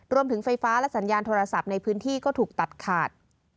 รวมถึงไฟฟ้าและสัญญาณโทรศัพท์ในพื้นที่ก็ถูกตัดขาด